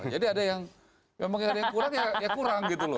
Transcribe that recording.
jadi ada yang memang yang kurang ya kurang gitu loh